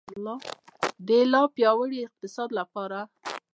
د لا پیاوړي اقتصاد لپاره.